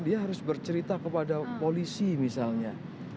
dia harus bercerita kepada polisi misalnya